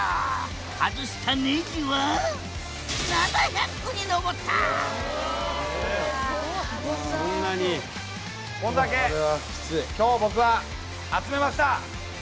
外したネジは７００個に上ったこんだけ今日僕は集めました！